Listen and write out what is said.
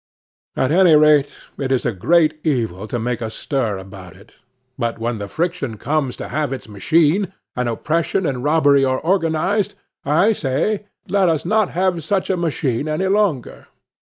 At any rate, it is a great evil to make a stir about it. But when the friction comes to have its machine, and oppression and robbery are organized, I say, let us not have such a machine any longer.